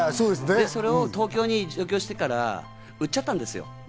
それで東京に上京してから売っちゃったんですよ。